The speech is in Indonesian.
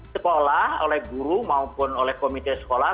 sekolah oleh guru maupun oleh komite sekolah